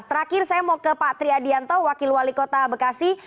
terakhir saya mau ke pak tri adianto wakil wali kota bekasi